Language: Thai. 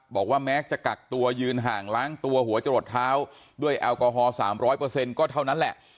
บอกว่าแม้จะกักตัวยืนห่างล้างตัวหัวจะหลดเท้าด้วยแอลกอฮอล๓๐๐ก็เท่านั้นแหละ